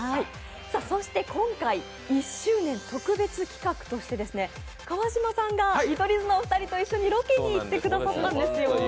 そして今回１周年特別企画として川島さんが見取り図のお二人と一緒にロケに行ってくださったんですよ。